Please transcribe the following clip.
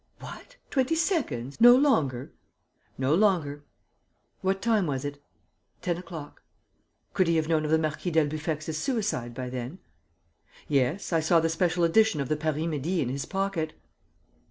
"What! Twenty seconds? No longer?" "No longer." "What time was it?" "Ten o'clock." "Could he have known of the Marquis d'Albufex' suicide by then?" "Yes. I saw the special edition of the Paris Midi in his pocket."